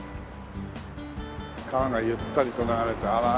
川がゆったりと流れてあら。